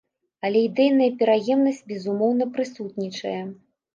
Але ідэйная пераемнасць, безумоўна, прысутнічае.